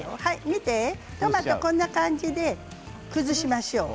見てトマトこんな感じで崩しましょう。